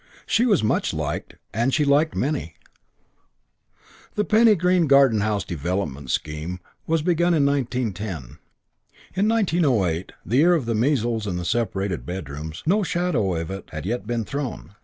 She was much liked, and she liked many. CHAPTER V I The Penny Green Garden House Development Scheme was begun in 1910. In 1908, the year of the measles and the separated bedrooms, no shadow of it had yet been thrown.